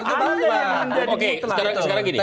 itu apa yang menjadi mutlak